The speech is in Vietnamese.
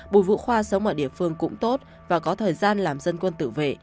bụi vụ khoa sống ở địa phương cũng tốt và có thời gian làm dân quân tử vệ